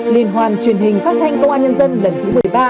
liên hoàn truyền hình phát thanh công an nhân dân lần thứ một mươi ba